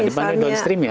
nah dibanding downstreamnya